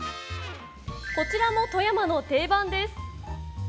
こちらも富山の定番です。